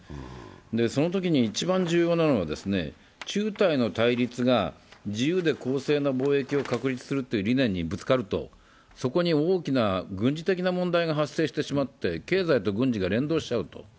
そのときに一番重要なのが中台の対立が自由で公正な貿易を確立するという理念にぶつかるとそこに大きな軍事的な問題が発生してしまって、経済と軍事が連動しちゃうと。